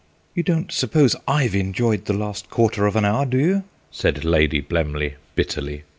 "You don't suppose I've enjoyed the last quarter of an hour, do you?" said Lady Blemley bitterly.